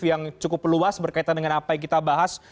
yang cukup luas berkaitan dengan apa yang kita bahas